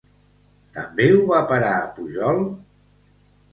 També ho va parar Pujol?